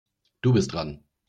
Du bist dran.